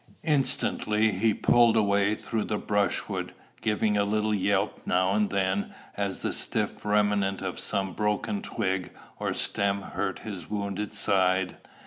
Instantly he pulled away through the brushwood, giving a little yelp now and then as the stiff remnant of some broken twig or stem hurt his wounded side.